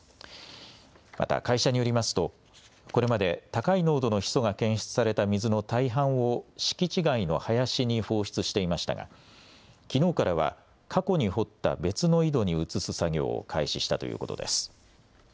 また会社によりますとこれまで高い濃度のヒ素が検出された水の大半を敷地外の林に放出していましたがきのうからは過去に掘った別の井戸に移す作業を開始したということです。